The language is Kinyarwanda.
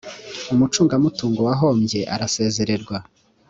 umucungamutungo wahombye arasezererwa.